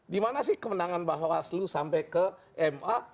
di mana sih keundangan bahwa selu sampai ke ma